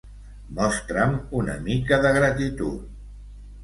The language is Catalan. Mostra'm una mica de gratitud.